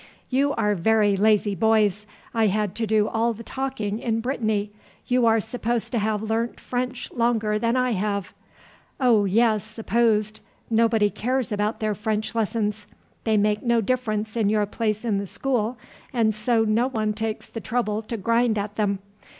"You are very lazy boys. I had to do all the talking in Brittany. You are supposed to have learnt French longer than I have." "Oh, yes; supposed. Nobody cares about their French lessons. They make no difference in your place in the school, and so no one takes the trouble to grind at them.